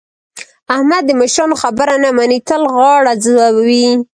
احمد د مشرانو خبره نه مني؛ تل غاړه ځوي.